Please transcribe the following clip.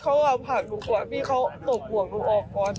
เพราะว่าเขาเอาผักหนูก่อนเพียงเขาตกห่วงหนูออกก่อน